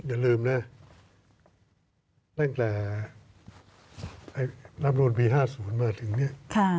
อย่าลืมนะตั้งแต่รับนูลปี๕๐มาถึงเนี่ย